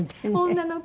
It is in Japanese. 女の子。